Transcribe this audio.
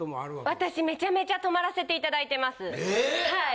私めちゃめちゃ泊まらせていただいてますはい。